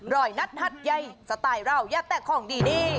นัดหัดใหญ่สไตล์เราอย่าแตะของดี